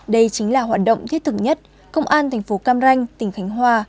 đây chính là hoạt động thiết thực nhất công an thành phố cam ranh tỉnh khánh hòa